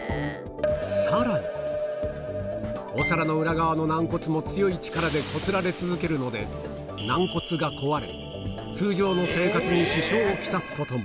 さらに、お皿の裏側の軟骨も強い力でこすられ続けるので、軟骨が壊れ、通常の生活に支障を来すことも。